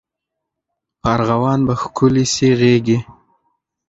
په ارغوان به ښکلي سي غیږي